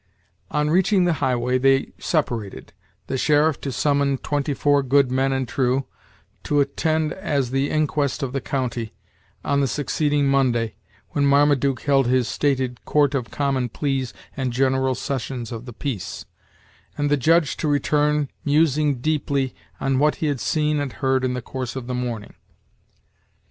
On reaching the highway they separated, the sheriff to summon twenty four "good men and true," to attend as the inquest of the county, on the succeeding Monday, when Marmaduke held his stated court of "common pleas and general sessions of the peace," and the Judge to return, musing deeply on what he had seen and heard in the course of the morning.